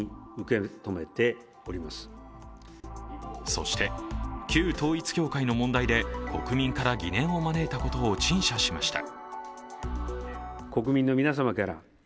そして、旧統一教会の問題で国民から疑念を招いたことを陳謝しました。